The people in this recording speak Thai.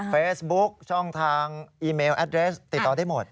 เฟซบุ๊คช่องทางอีเมลแอดเรสติดต่อได้หมด